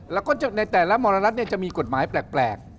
แล้วก็ในแต่ละมรณรัฐจะมีกฎหมายแปลก